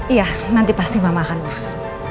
iya nanti pasti mama akan lolos